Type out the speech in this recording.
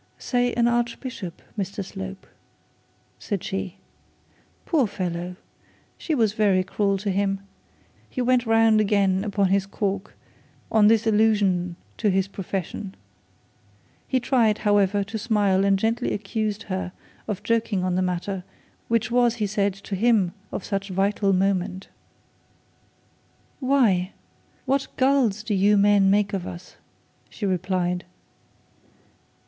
'Say an archbishop, Mr Slope,' said she. Poor fellow! She was very cruel to him. He went round again upon his cork on this allusion to his profession. He tried, however, to smile, and gently accused her of joking on a matter, which was, he said, to him of such vital moment. 'Why what gulls do you men make of us,' she replied.